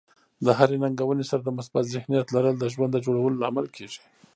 د هرې ننګونې سره د مثبت ذهنیت لرل د ژوند د جوړولو لامل کیږي.